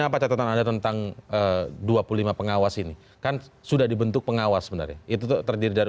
apa catatan anda tentang dua puluh lima pengawas ini kan sudah dibentuk pengawas sebenarnya itu terdiri dari